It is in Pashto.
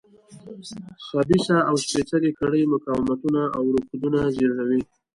خبیثه او سپېڅلې کړۍ مقاومتونه او رکودونه زېږوي.